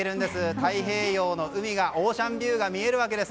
太平洋の海オーシャンビューが見えるんです。